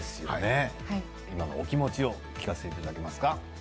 今のお気持ちを聞かせて頂けますか？